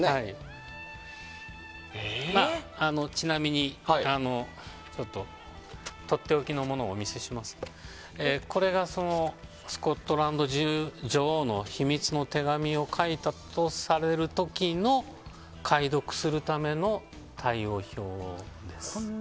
ちなみにとっておきのものをお見せしますとこれがスコットランド女王の秘密の手紙を書いたとされる時の解読するための対応表です。